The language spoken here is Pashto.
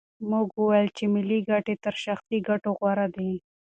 موږ وویل چې ملي ګټې تر شخصي ګټو غوره دي.